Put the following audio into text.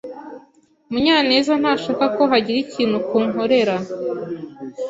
Munyanezntashaka ko hagira ikintu kunkorera.